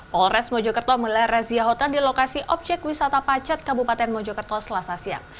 polres mojokerto melihat rezia hutan di lokasi objek wisata pacat kabupaten mojokerto selasa siang